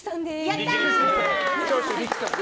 やったー！